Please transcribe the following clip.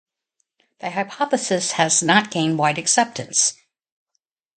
The hypothesis has not gained wide acceptance.